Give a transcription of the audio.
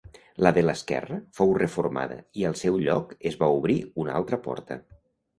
La de l'esquerra fou reformada i al seu lloc es va obrir una altra porta.